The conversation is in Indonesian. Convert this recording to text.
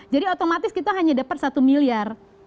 jadi otomatis kita hanya dapat satu miliar